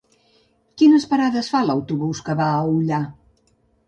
Quines parades fa l'autobús que va a Ullà?